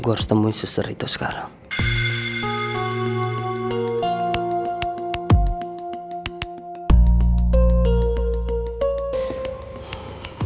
gue harus temui suster itu sekarang